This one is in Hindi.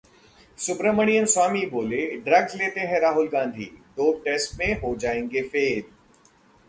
सुब्रमण्यम स्वामी बोले-ड्रग्स लेते हैं राहुल गांधी, डोप टेस्ट में हो जाएंगे फेल